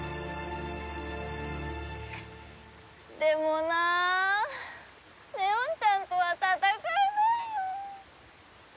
でもなあ祢音ちゃんとは戦えないよ。